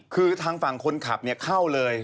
คือทางฝั่งคนขับเข้าเลย